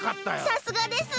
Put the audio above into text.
さすがです！